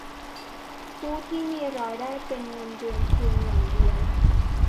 ผู้ที่มีรายได้เป็นเงินเดือนเพียงอย่างเดียว